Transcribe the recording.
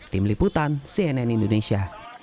tim liputan cnn indonesia